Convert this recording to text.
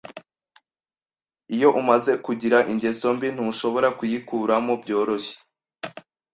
Iyo umaze kugira ingeso mbi, ntushobora kuyikuramo byoroshye.